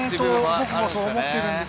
僕もそう思ってます。